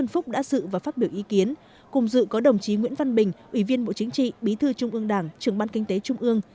nguyễn phúc đã dự và phát biểu ý kiến cùng dự có đồng chí nguyễn văn bình ủy viên bộ chính trị bí thư trung ương đảng trưởng ban kinh tế trung ương